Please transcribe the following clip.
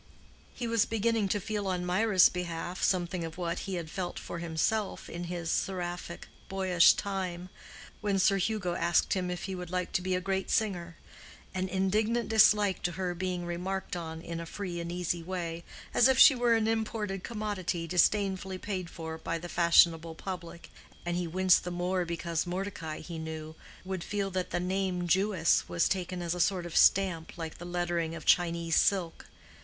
He was beginning to feel on Mirah's behalf something of what he had felt for himself in his seraphic boyish time, when Sir Hugo asked him if he would like to be a great singer—an indignant dislike to her being remarked on in a free and easy way, as if she were an imported commodity disdainfully paid for by the fashionable public, and he winced the more because Mordecai, he knew, would feel that the name "Jewess" was taken as a sort of stamp like the lettering of Chinese silk.